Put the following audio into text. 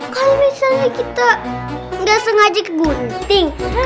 kalau misalnya kita nggak sengaja kegunting